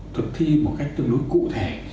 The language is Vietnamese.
thực thi một cách tương đối cụ thể